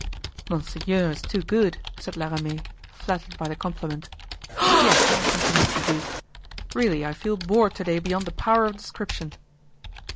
"Monseigneur is too good," said La Ramee, flattered by the compliment. "Yes," continued the duke, "really, I feel bored today beyond the power of description."